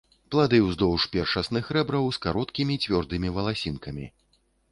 Плады ўздоўж першасных рэбраў з кароткімі цвёрдымі валасінкамі.